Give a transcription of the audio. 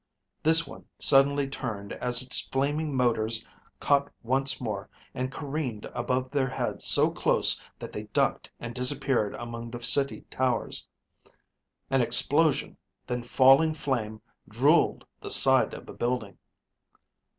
This one suddenly turned as its flaming motors caught once more and careened above their heads so close that they ducked and disappeared among the city towers: an explosion, then falling flame drooled the side of a building.